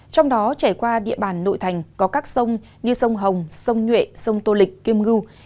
trong đó trải qua địa bàn nội thành có các sông như sông hồng sông nhuệ sông tô lịch kiêm ngư